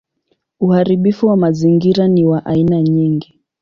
Uharibifu wa mazingira ni wa aina nyingi.